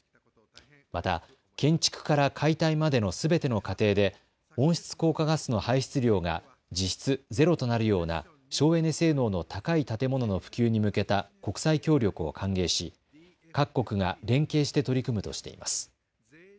また建築から解体までのすべての過程で温室効果ガスの排出量が実質ゼロとなるような省エネ性能の高い建物の普及に向けた国際協力を歓迎し各国が連携して取り組むとしています。